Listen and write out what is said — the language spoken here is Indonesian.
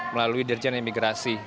melalui dirjen imigrasi